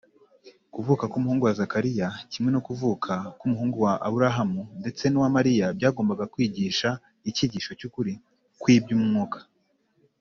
Kuvuka k’umuhungu wa Zakariya, kimwe no kuvuka k’umuhungu wa Aburahamu, ndetse n’uwa Mariya, byagombaga kwigisha icyigisho cy’ukuri kw’iby’umwuka